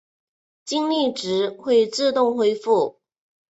精力值会自动恢复。